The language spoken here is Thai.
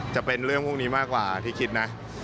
จะเป็นเรื่องพวกนี้มากกว่าที่คิดนะ